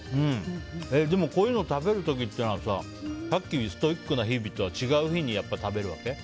でも、こういうの食べる時っていうのはさっきのストイックな日々とは違う日に食べるわけ？